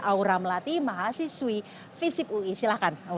aura melati mahasiswi visip ui silahkan